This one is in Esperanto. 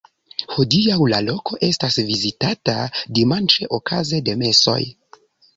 Hodiaŭ, la loko estas vizitata dimanĉe okaze de mesoj.